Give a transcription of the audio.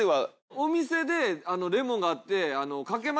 お店でレモンがあって。